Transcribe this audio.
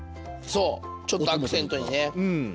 そうちょっとアクセントにね。